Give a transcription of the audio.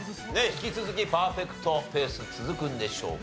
引き続きパーフェクトペース続くんでしょうか？